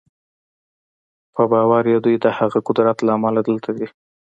په باور یې دوی د هغه قدرت له امله دلته دي